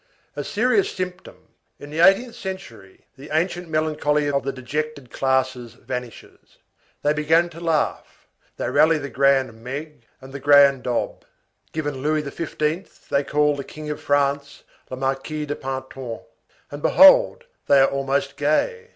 A serious symptom. In the eighteenth century, the ancient melancholy of the dejected classes vanishes. They began to laugh. They rally the grand meg and the grand dab. Given Louis XV. they call the King of France "le Marquis de Pantin." And behold, they are almost gay.